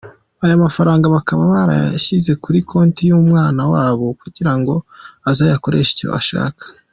Aya mafaranga bakaba barayashyize kuri konti y’umwana wabo, kugira ngo azayakoreshe icyo ashaka.